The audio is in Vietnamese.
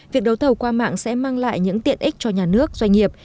việc đấu thầu qua mạng sẽ mang lại những tiện ích cho nhà nước doanh nghiệp